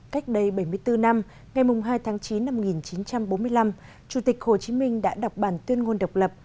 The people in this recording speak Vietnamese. cách đây bảy mươi bốn năm ngày hai tháng chín năm một nghìn chín trăm bốn mươi năm chủ tịch hồ chí minh đã đọc bản tuyên ngôn độc lập